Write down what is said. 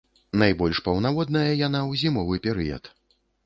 Найбольш паўнаводная яна ў зімовы перыяд.